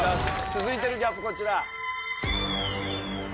続いてのギャップこちら。